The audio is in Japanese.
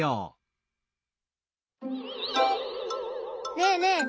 ねえねえ！